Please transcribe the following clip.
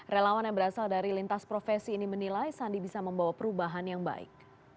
relawan yang berasal dari lintas profesi ini menilai sandi bisa membawa perubahan yang baik